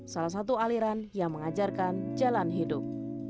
salah satu aliran yang mengajarkan jalan hidup